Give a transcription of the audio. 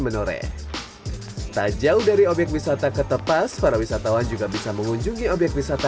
menoreh tak jauh dari obyek wisata ketepas para wisatawan juga bisa mengunjungi obyek wisata